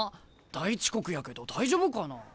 大遅刻やけど大丈夫かな？